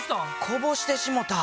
こぼしてしもた。